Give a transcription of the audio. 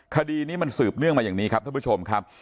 คดีนี้มันสืบเนื่องมาอย่างนี้ครับท่านผู้ชมครับ